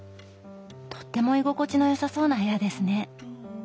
とっても居心地のよさそうな部屋ですね。